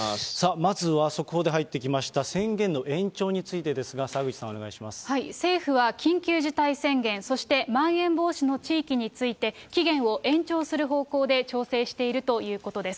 まずは速報で入ってきました、宣言の延長についてですが、澤口政府は緊急事態宣言、そしてまん延防止の地域について、期限を延長する方向で調整しているということです。